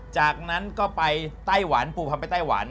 จากนั้นก็ไปไต้หวันปูพรมไปไต้หวัน